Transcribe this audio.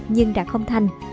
nhưng đã không thành